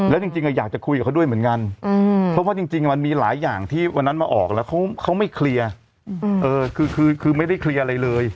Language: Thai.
แล้วจริงอยากจะคุยกับเขาด้วยเหมือนกันเพราะว่าจริงมันมีหลายอย่างที่วันนั้นมาออกแล้วเขาไม่เคลียร์คือไม่ได้เคลียร์อะไรเลย